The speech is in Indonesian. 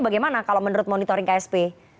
bagaimana kalau menurut monitoring ksp